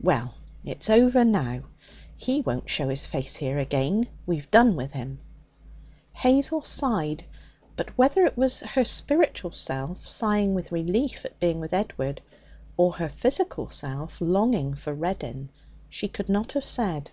'Well, it's over now. He won't show his face here again; we've done with him.' Hazel sighed. But whether it was her spiritual self sighing with relief at being with Edward, or her physical self longing for Reddin, she could not have said.